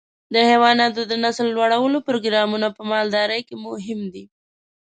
د حيواناتو د نسل لوړولو پروګرامونه په مالدارۍ کې مهم دي.